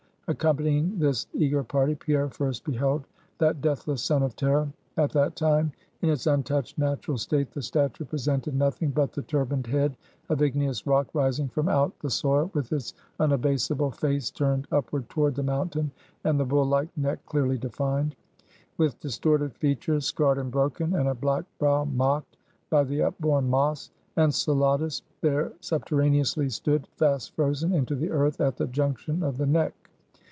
Accompanying this eager party, Pierre first beheld that deathless son of Terra. At that time, in its untouched natural state, the statue presented nothing but the turbaned head of igneous rock rising from out the soil, with its unabasable face turned upward toward the mountain, and the bull like neck clearly defined. With distorted features, scarred and broken, and a black brow mocked by the upborn moss, Enceladus there subterraneously stood, fast frozen into the earth at the junction of the neck.